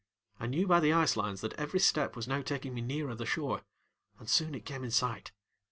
I knew by the ice lines that every step was now taking me nearer the shore and soon it came in sight.